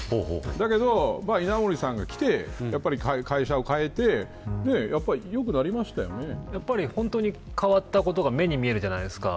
だけど、稲盛さんが来て会社を変えてやっぱり、ほんとに変わったことが目に見えるじゃないですか。